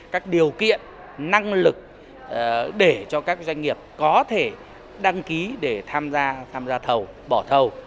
các điều kiện năng lực để cho các doanh nghiệp có thể đăng ký để tham gia tham gia thầu bỏ thầu